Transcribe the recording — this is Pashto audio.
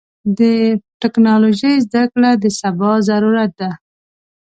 د ټکنالوژۍ زدهکړه د سبا ضرورت ده.